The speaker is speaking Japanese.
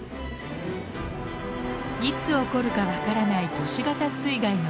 いつ起こるか分からない都市型水害の危険性。